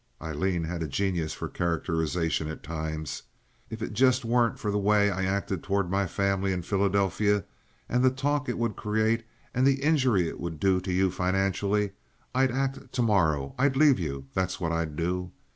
(Aileen had a genius for characterization at times.) "If it just weren't for the way I acted toward my family in Philadelphia, and the talk it would create, and the injury it would do you financially, I'd act to morrow. I'd leave you—that's what I'd do.